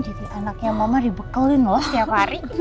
jadi anaknya mama dibekelin loh setiap hari